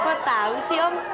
kok tau sih om